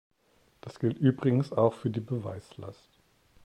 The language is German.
Das gilt übrigens auch für die Beweislast.